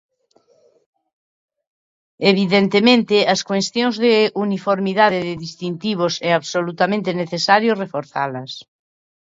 Evidentemente, as cuestións de uniformidade, de distintivos, é absolutamente necesario reforzalas.